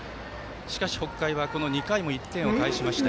しかし北海は１点を返しました。